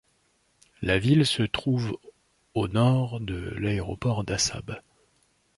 La ville se trouve à au nord de l'aéroport d'Assab.